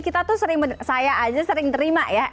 kita tuh sering saya aja sering terima ya